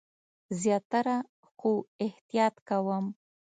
زیاتره، خو احتیاط کوم